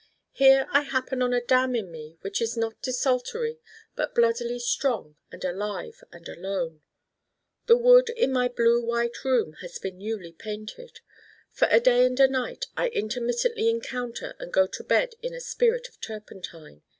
Here I happen on a damn in me which is not desultory but bloodily strong and alive and alone. The wood in my blue white room has been newly painted. For a day and a night I intermittently encounter and go to bed in a spirit of Turpentine.